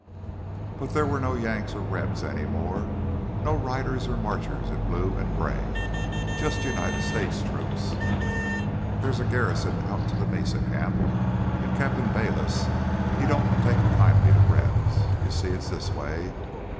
But there were no Yanks or Rebs any more, no riders or marchers in blue and gray—just United States troops. "There's a garrison out to the Mesa camp. An' Cap'n Bayliss, he don't take kindly to Rebs. You see, it's this way....